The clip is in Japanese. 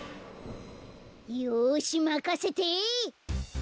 よしまかせて！